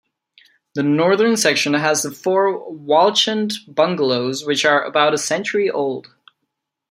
The Northern Section has the four Walchand Bungalows, which are about a century old.